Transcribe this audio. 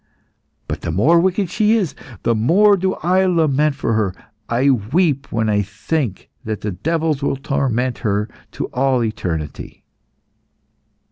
But the more wicked she is, the more do I lament for her. I weep when I think that the devils will torment her to all eternity."